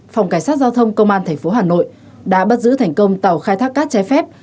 phòng cảnh sát giao thông công an tp hà nội đã bắt giữ thành công tàu khai thác cát trái phép